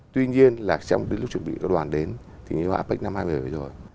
tuy nhiên là trong lúc chuẩn bị đoàn đến thì như apec năm hai nghìn rồi